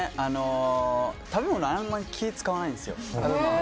食べ物あまり気を使わないんですよ。